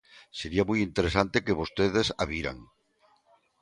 Sería moi interesante que vostedes a viran.